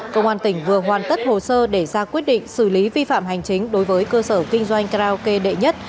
công an tỉnh vừa hoàn tất hồ sơ để ra quyết định xử lý vi phạm hành chính đối với cơ sở kinh doanh karaoke đệ nhất